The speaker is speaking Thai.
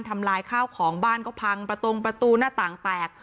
ทำลายข้าวของบ้านก็พังประตงประตูหน้าต่างแตก